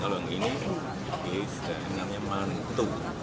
kalau yang ini sudah namanya mantu